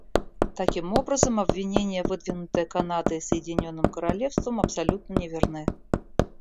Таким образом, обвинения, выдвинутые Канадой и Соединенным Королевством, абсолютно неверны.